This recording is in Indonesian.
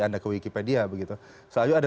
anda ke wikipedia begitu selalu ada